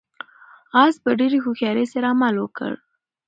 آس په ډېرې هوښیارۍ سره عمل وکړ.